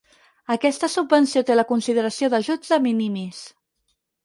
Aquesta subvenció té la consideració d'ajuts de "minimis".